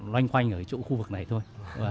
loanh quanh ở chỗ khu vực này thôi